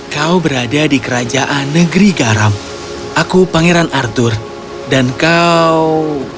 kau berada di kerajaan negeri garam aku pangeran arthur dan kau